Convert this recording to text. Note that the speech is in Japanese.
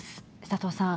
佐藤さん。